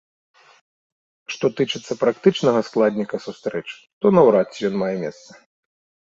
Што тычыцца практычнага складніка сустрэчы, то наўрад ці ён мае месца.